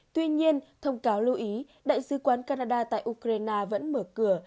tuy nhiên thông cáo lưu ý đại sứ quán canada tại ukraine vẫn mở cửa